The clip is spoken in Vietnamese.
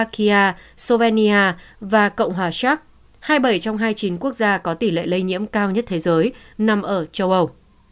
kya slovenia và cộng hòa shac hai mươi bảy trong hai mươi chín quốc gia có tỷ lệ lây nhiễm cao nhất thế giới nằm ở châu âu